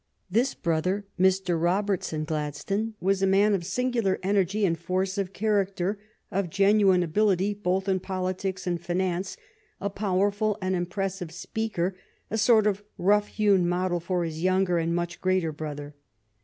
This brother, Mr. Rob ertson Gladstone, was a man of singular energy and force of character, of genuine ability both in politics and finance, a powerful and impressive speaker, a sort of rough hewn model for his younger and much greater brother.